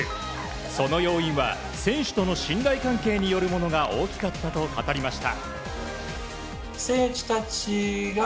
その要因は選手との信頼関係によるものが大きかったと語りました。